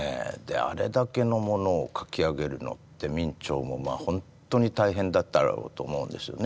あれだけのものを描き上げるのって明兆もほんとに大変だったろうと思うんですよね。